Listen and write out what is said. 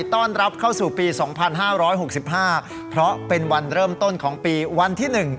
ต้อนรับเข้าสู่ปีสองพันห้าร้อยหกสิบห้าเพราะเป็นวันเริ่มต้นของปีวันที่หนึ่ง